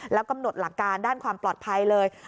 แล้วกำหนดหลักการด้านความปลอดภัยเลย